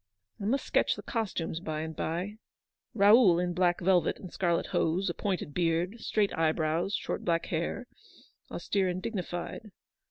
I must sketch the costumes, by and by. Raoul in black velvet and scarlet hose, a pointed beard, straight eye brows, short black hair, — austere and dignified.